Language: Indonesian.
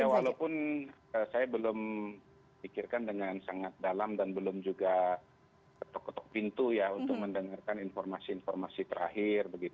ya walaupun saya belum pikirkan dengan sangat dalam dan belum juga ketok ketok pintu ya untuk mendengarkan informasi informasi terakhir